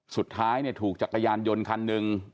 สุดท้ายถูกจักรยานยนต์คันหนึ่ง